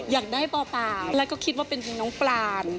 อยากได้บ่อปลาแล้วก็คิดว่าเป็นเพลงน้องปลาน